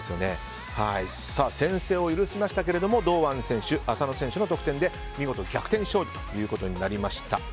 先制を許しましたけれども堂安選手、浅野選手の得点で見事、逆転勝利となりました。